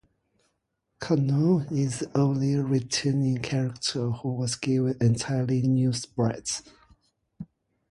Karnov is the only returning character who was given entirely new sprites.